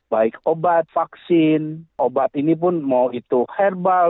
baik obat vaksin obat ini pun mau itu herbal